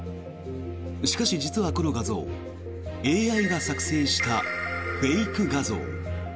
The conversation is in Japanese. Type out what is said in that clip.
しかし、実はこの画像ＡＩが作成したフェイク画像。